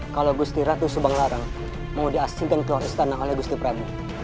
kalau gusti ratu subang larang mau diaksiten ke luar istana oleh gusti prabu